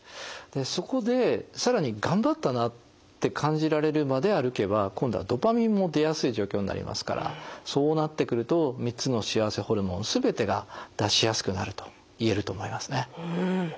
そこでさらに頑張ったなって感じられるまで歩けば今度はドパミンも出やすい状況になりますからそうなってくると３つの幸せホルモン全てが出しやすくなるといえると思いますね。